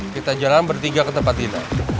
kita jalan bertiga ke tempat ini